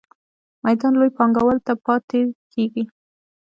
میدان لویو پانګوالو ته پاتې کیږي.